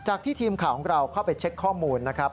ที่ทีมข่าวของเราเข้าไปเช็คข้อมูลนะครับ